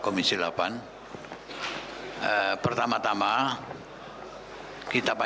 memberikan apresiasi yang tinggi